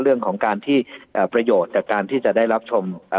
เรื่องของการที่เอ่อประโยชน์จากการที่จะได้รับชมอ่า